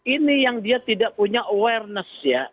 ini yang dia tidak punya awareness ya